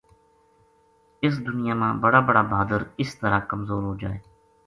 اس دُنیا ما بڑا بڑا بہادر اس طرح کمزور ہو جائے